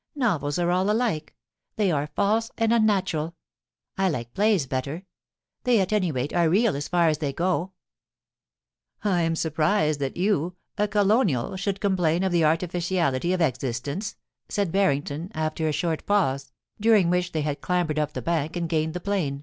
Novels are all alike ; they are false and unnatural I like plays better. They, at any rate, are real as far as they go.' * I am surprised that you, a colonial, should complain of the artificiality of existence,' said Barrington, after a short pause, during which they had clambered up the bank and gained the plain.